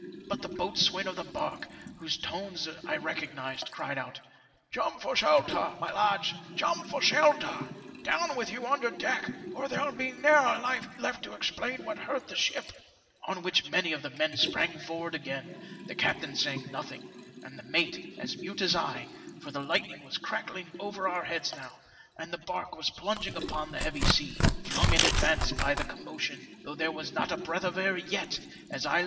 But the boatswain of the barque, whose tones I recognized, cried out, * Jump for shelter, my lads ! jump for shelter ! Down with you under deck, or there'll be ne'er a life left to explain what hurt the ship ;' on which many of the men sprang forward again, the captain saying nothing, and the mate as mute as I, for the lightning was crackling over our heads now, and the barque was plunging upon the heavy sea, flung in advance by the commotion, though 82 FOUL OF A WATERSPOUT. there was not a breath of air yet, as I li?